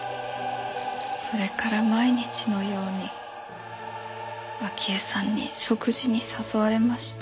それから毎日のように明江さんに食事に誘われました。